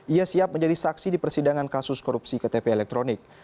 ia siap menjadi saksi di persidangan kasus korupsi ktp elektronik